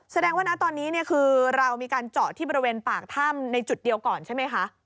แสดงว่านะตอนนี้คือเรามีการเจาะที่บริเวณปากถ้ำในจุดเดียวก่อนใช่ไหมคะ